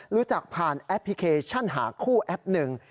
รู้จักผ่านแอปพลิเคชันหาคู่แอปหนึ่ง